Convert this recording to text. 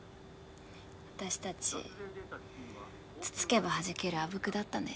私たちつつけばはじけるあぶくだったね。